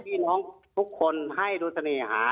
ที่ทุกคนให้โดยศรีหา